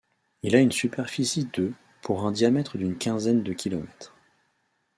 Il a une superficie de pour un diamètre d'une quinzaine de kilomètres.